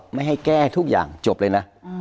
ไม่ให้แก้ทุกอย่างจบเลยนะ